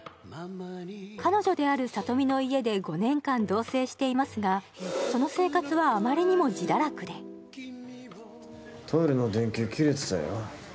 彼女である里美の家で５年間同棲していますがその生活はあまりにもじだらくでトイレの電球切れてたよ